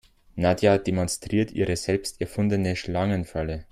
Nadja demonstriert ihre selbst erfundene Schlangenfalle.